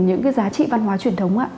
những cái giá trị văn hóa truyền thống ạ